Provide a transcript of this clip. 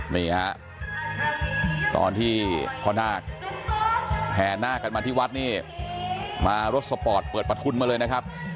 นี่ฮะตอนที่พ่อนาคแห่นาคกันมาที่วัดนี่มารถสปอร์ตเปิดประทุนมาเลยนะครับ